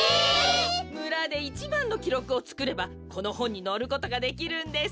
むらでいちばんのきろくをつくればこのほんにのることができるんです。